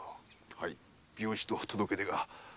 はい病死と届け出が。